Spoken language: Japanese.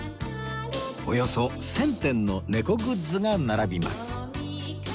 およそ１０００点の猫グッズが並びます